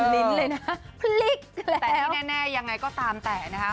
นี้แน่อย่างไงก็ตามแต่นะคะ